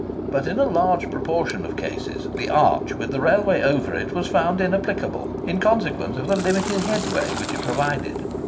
But in a large proportion of cases, the arch, with the railroad over it, was found inapplicable in consequence of the limited headway which it provided.